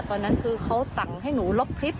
ตอนนั้นคือเขาสั่งให้หนูลบคลิป